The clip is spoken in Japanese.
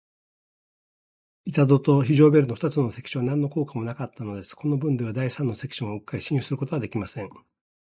板戸と非常ベルの二つの関所は、なんの効果もなかったのです。このぶんでは、第三の関所もうっかり信用することはできません。